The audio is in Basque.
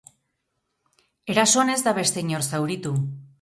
Erasoan ez da beste inor zauritu.